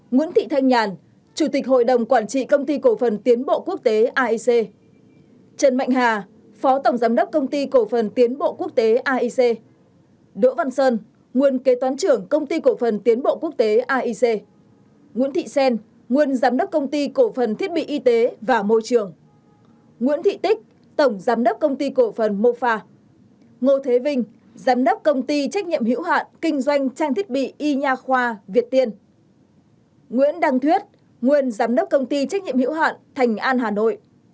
nguyễn đăng thuyết nguyên giám đốc công ty trách nhiệm hiệu hạn thành an hà nội